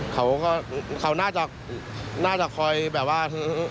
เขาน่าจะคอยแบบว่า